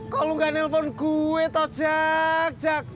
kalo lu nggak nelfon gue tau jak jak